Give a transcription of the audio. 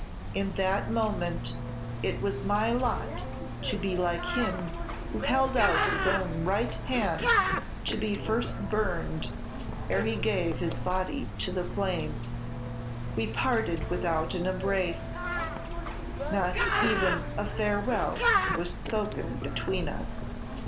In that moment it was my lot to be like him who held out his own right hand to be first burned, ere he gave his body to the flames. "We parted without an embrace; not even a farewell was spoken between us.